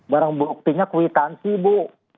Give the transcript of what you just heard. barang buktinya kwitansi bu